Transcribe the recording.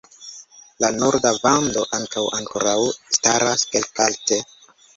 La norda vando ankaŭ ankoraŭ staras kelkalte.